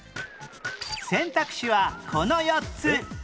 選択肢はこの４つ